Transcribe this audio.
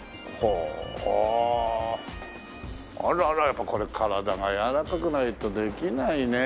やっぱりこれ体が柔らかくないとできないね。